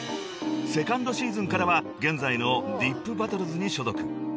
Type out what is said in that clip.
［２ｎｄシーズンからは現在のｄｉｐＢＡＴＴＬＥＳに所属］